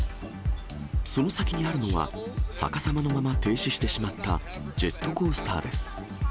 その先にあるのは、逆さまのまま停止してしまったジェットコースターです。